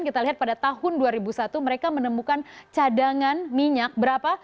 kita lihat pada tahun dua ribu satu mereka menemukan cadangan minyak berapa